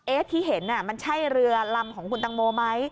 ที่เห็นมันใช่เรือลำของคุณตังโมไหม